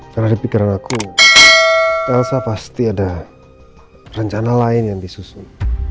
karena di pikiran aku elsa pasti ada rencana lain yang disusun